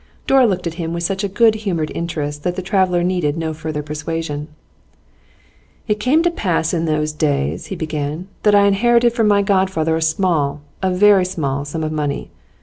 Dora looked at him with such good humoured interest that the traveller needed no further persuasion. 'It came to pass in those days,' he began, 'that I inherited from my godfather a small, a very small, sum of money.